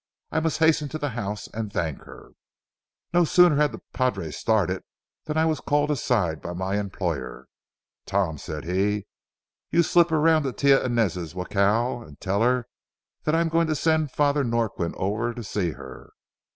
I must hasten to the house and thank her." No sooner had the padre started than I was called aside by my employer. "Tom," said he, "you slip around to Tia Inez's jacal and tell her that I'm going to send Father Norquin over to see her.